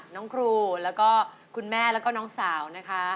น้องครูแล้วก็คุณแม่แล้วก็น้องสาวนะคะ